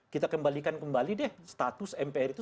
kita kembalikan kembali deh status mpr itu